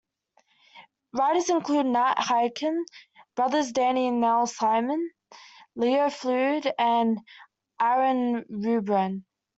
Writers included Nat Hiken, brothers Danny and Neil Simon, Leo Fuld and Aaron Ruben.